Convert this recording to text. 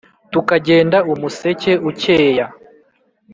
tukagenda umuseke ucyeya,